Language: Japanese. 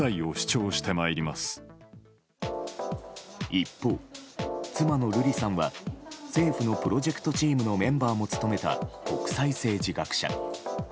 一方、妻の瑠麗さんは政府のプロジェクトチームのメンバーも務めた国際政治学者。